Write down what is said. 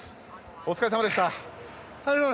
お疲れさまでした。